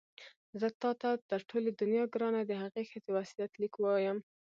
زه تا ته تر ټولې دنیا ګرانه د هغې ښځې وصیت لیک وایم.